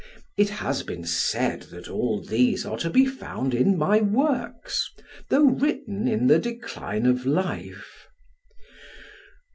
It has been said, that all these are to be found in my works, though written in the decline of life.